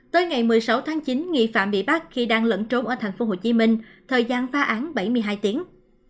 tới ngày một mươi sáu tháng chín nghi phạm bị bắt khi đang lẫn trốn ở thành phố hồ chí minh thời gian phá án bảy mươi hai tiếng